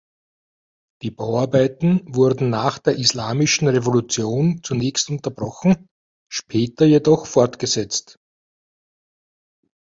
Die Bauarbeiten wurden nach der Islamischen Revolution zunächst unterbrochen, später jedoch fortgesetzt.